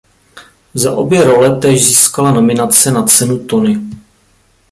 Za obě role též získala nominace na cenu Tony.